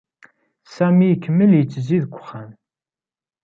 Sami ikemmel yettezzi deg uxxam.